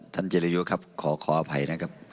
เจรยุครับขออภัยนะครับ